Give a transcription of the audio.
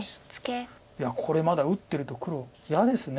いやこれまだ打ってると黒嫌ですね。